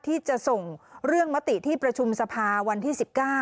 ที่จะส่งเรื่องมติที่ประชุมสภาวันที่๑๙